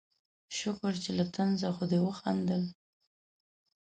شکر چې له طنزه خو دې وخندل